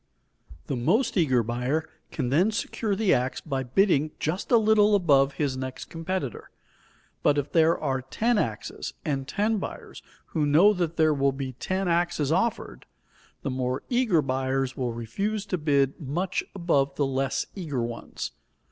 The most eager buyer can then secure the ax by bidding just a little above his next competitor. But if there are ten axes and ten buyers who know that there will be ten axes offered, the more eager buyers will refuse to bid much above the less eager ones.